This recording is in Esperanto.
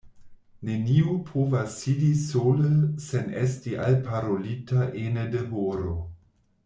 Neniu povas sidi sole sen esti alparolita ene de horo.